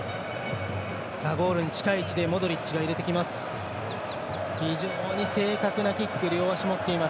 ゴールに近い位置でモドリッチが入れてきます。